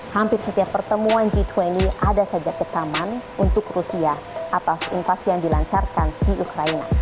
hampir setiap pertemuan g dua puluh ada saja kecaman untuk rusia atas invasi yang dilancarkan di ukraina